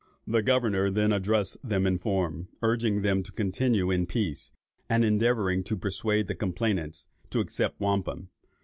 The governor then addressed them in form, urging them to continue in peace, and endeavouring to persuade the complainants to accept of wampum.